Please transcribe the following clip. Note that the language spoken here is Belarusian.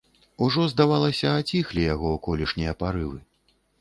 Ужо, здавалася, аціхлі яго колішнія парывы.